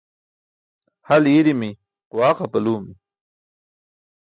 Hal i̇i̇ri̇mi̇, quwaq apalumi̇.